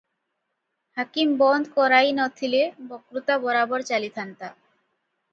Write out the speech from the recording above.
ହାକିମ ବନ୍ଦ କରାଇ ନ ଥିଲେ ବତ୍କୃତା ବରାବର ଚାଲିଥାନ୍ତା ।